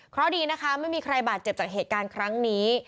เพราะดีนะคะไม่มีใครบาดเจ็บจากเหตุการณ์ครั้งนี้